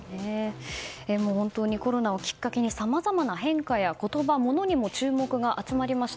本当にコロナをきっかけにさまざまな変化言葉、ものにも注目が集まりました。